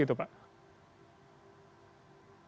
bagaimana itu pak